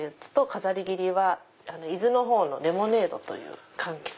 飾り切りは伊豆の方のレモネードというかんきつ。